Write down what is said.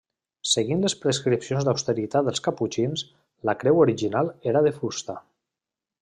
Seguint les prescripcions d'austeritat dels caputxins, la creu original era de fusta.